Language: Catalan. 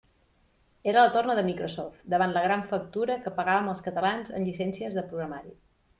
Era la torna de Microsoft davant la gran factura que pagàvem els catalans en llicències de programari.